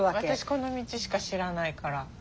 私この道しか知らないから。